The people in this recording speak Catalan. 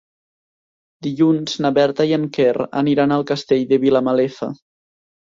Dilluns na Berta i en Quer aniran al Castell de Vilamalefa.